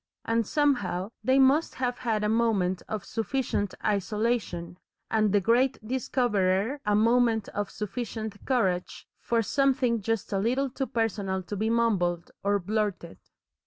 And somehow they must have had a moment of sufficient isolation, and the great Discoverer a moment of sufficient courage for something just a little personal to be mumbled or blurted.